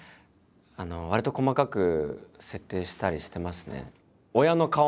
わりと細かく設定したりしてますね。